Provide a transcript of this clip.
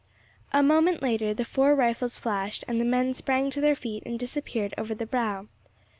A moment later the four rifles flashed, and the men sprang to their feet and disappeared over the brow.